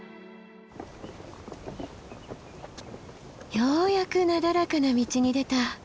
ようやくなだらかな道に出た。